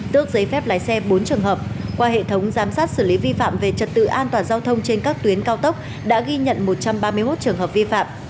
tước giấy phép lái xe bốn trường hợp qua hệ thống giám sát xử lý vi phạm về trật tự an toàn giao thông trên các tuyến cao tốc đã ghi nhận một trăm ba mươi một trường hợp vi phạm